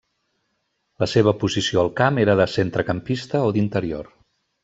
La seva posició al camp era de centrecampista o d'interior.